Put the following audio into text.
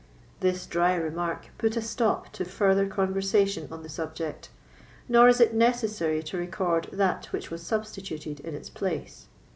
This dry remark put a stop to further conversation on the subject, nor is it necessary to record that which was substituted in its place.